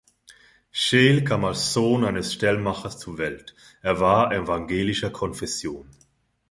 Scheel kam als Sohn eines Stellmachers zur Welt; er war evangelischer Konfession.